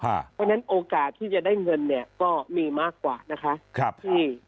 เพราะฉะนั้นโอกาสที่จะได้เงินเนี่ยก็มีมากกว่านะคะ